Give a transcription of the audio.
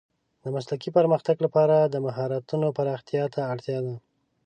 د مسلکي پرمختګ لپاره د مهارتونو پراختیا ته اړتیا ده.